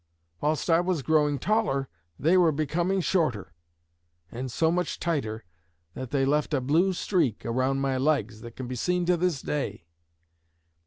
Whilst I was growing taller, they were becoming shorter and so much tighter that they left a blue streak around my legs that can be seen to this day.